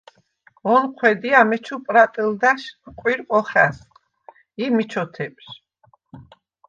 ონჴვედ ი ამეჩუ პრატჷლდა̈შ ყურყვ ოხა̈სყ ი მი ჩოთეპჟ.